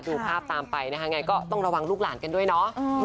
ดูภาพตามไปนะคะไงก็ต้องระวังลูกหลานกันด้วยเนาะ